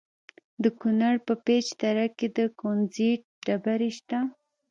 د کونړ په پيچ دره کې د کونزیټ ډبرې شته.